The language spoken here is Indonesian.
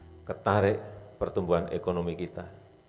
kita ketarik pertumbuhan ekonomi kita